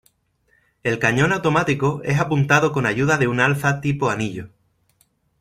El cañón automático es apuntado con ayuda de un alza tipo "anillo".